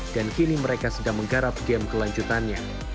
dan kini mereka sedang menggarap game kelanjutannya